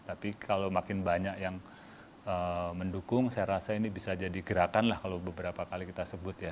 tapi kalau makin banyak yang mendukung saya rasa ini bisa jadi gerakan lah kalau beberapa kali kita sebut ya